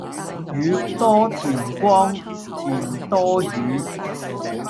宇多田光田多雨